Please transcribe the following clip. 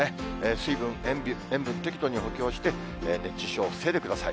水分、塩分、適度に補給をして、熱中症を防いでください。